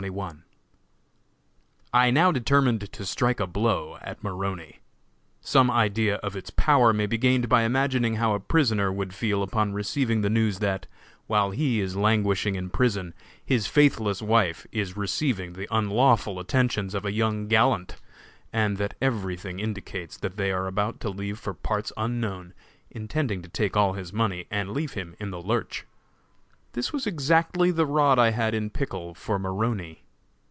_ I now determined to strike a blow at Maroney. Some idea of its power may be gained by imagining how a prisoner would feel upon receiving the news that, while he is languishing in prison, his faithless wife is receiving the unlawful attentions of a young gallant, and that everything indicates that they are about to leave for parts unknown, intending to take all his money and leave him in the lurch. This was exactly the rod I had in pickle for Maroney.